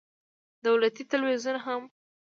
دولتي ټلویزیون هم